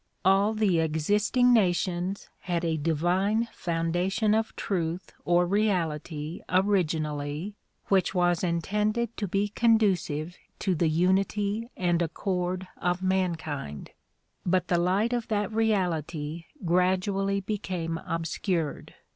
All the existing nations had a divine foundation of truth or reality originally which was in tended to be conducive to the unity and accord of mankind, but the light of that reality gradually became obscured.